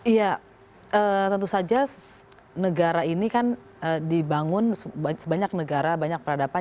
iya tentu saja negara ini kan dibangun sebanyak negara banyak peradaban